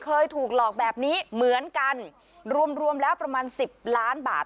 เคยถูกหลอกแบบนี้เหมือนกันรวมรวมแล้วประมาณสิบล้านบาท